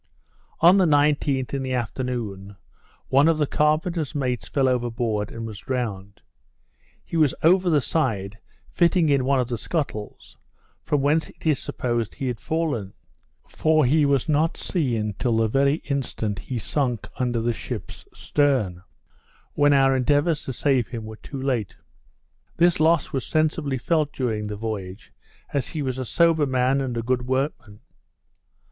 On the 19th, in the afternoon, one of the carpenter's mates fell overboard, and was drowned. He was over the side, fitting in one of the scuttles, from whence it is supposed he had fallen; for he was not seen till the very instant he sunk under the ship's stern, when our endeavours to save him were too late. This loss was sensibly felt during the voyage, as he was a sober man and a good workman.